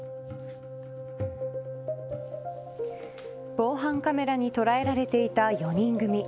防犯カメラに捉えられていた４人組。